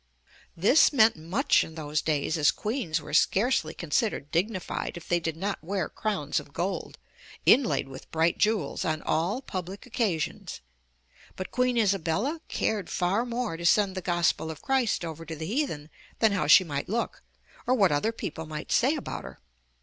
This meant much in those days, as queens were scarcely considered dignified if they did not wear crowns of gold, inlaid with bright jewels, on all public occasions, but Queen Isabella cared far more to send 210 UP ONE PAIR OF STAIRS the gospel of Christ over to the heathen than how she might look, or what other people might say about her.